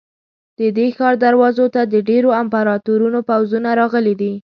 د دې ښار دروازو ته د ډېرو امپراتورانو پوځونه راغلي دي.